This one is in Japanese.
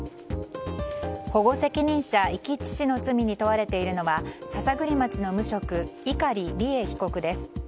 保護責任者遺棄致死の罪に問われているのは篠栗町の無職、碇利恵被告です。